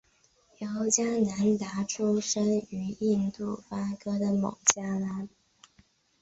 尤迦南达出生于印度戈勒克布尔一个孟加拉族家庭。